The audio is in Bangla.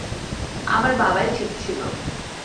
আমার বাবাই ঠিক ছিল।